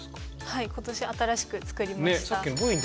はい今年新しく作りました。